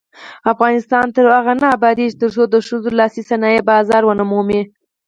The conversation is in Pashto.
افغانستان تر هغو نه ابادیږي، ترڅو د ښځو لاسي صنایع بازار ونه مومي.